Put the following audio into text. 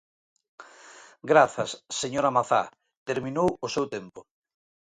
Grazas, señora Mazá, terminou o seu tempo.